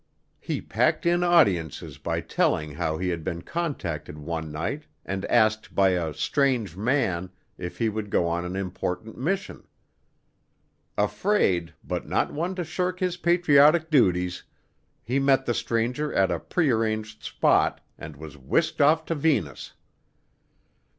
He packed in audiences by telling how he had been contacted one night and asked by a "strange man" if he would go on an important mission. Afraid, but not one to shirk his patriotic duties, he met the stranger at a prearranged spot and was whisked off to Venus.